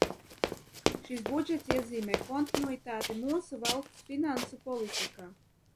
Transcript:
Šis budžets iezīmē kontinuitāti mūsu valsts finansu politikā.